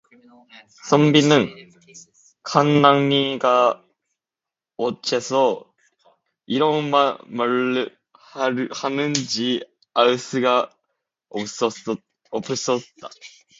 선비는 간난이가 어째서 이런 말을 하는지 알 수가 없었다.